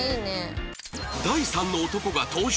第三の男が登場！